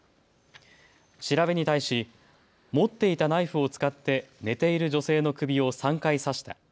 調べに対し持っていたナイフを使って寝ている女性の首を３回刺した。